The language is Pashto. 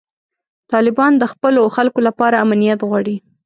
طالبان د خپلو خلکو لپاره امنیت غواړي.